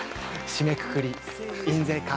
締めくくり「印税か」。